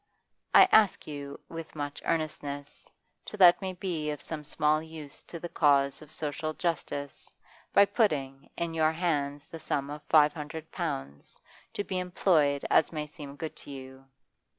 I ask you, with much earnestness, to let me be of some small use to the cause of social justice, by putting, in your hands the sum of five hundred pounds, to be employed as may seem good to you.